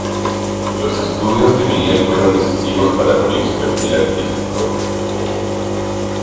Los estudios de Miguel fueron decisivos para pulir su perfil artístico.